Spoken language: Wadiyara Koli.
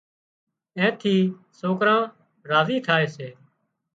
اين ٿي سوڪران راضي ٿائي سي